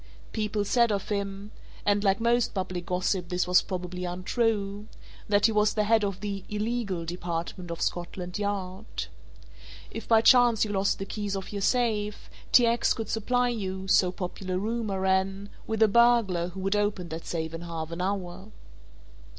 People said of him and like most public gossip, this was probably untrue that he was the head of the "illegal" department of Scotland Yard. If by chance you lost the keys of your safe, T. X. could supply you (so popular rumour ran) with a burglar who would open that safe in half an hour.